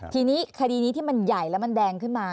ทีนี้คดีนี้ที่มันใหญ่แล้วมันแดงขึ้นมา